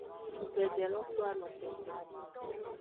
Cugbeje lo to ano tenten.